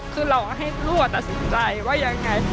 ใจ